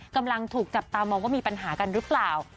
กำลังถูกจับตามองว่ามีปัญหากันหรือเปล่า